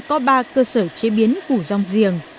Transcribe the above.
có ba cơ sở chế biến củ rong giềng